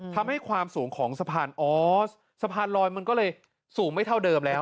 ทำให้ความสูงของสะพานออสสะพานลอยมันก็เลยสูงไม่เท่าเดิมแล้ว